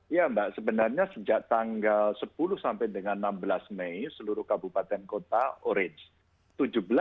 iya mbak sebenarnya sejak tanggal sepuluh sampai dengan enam belas mei seluruh kabupaten kota orange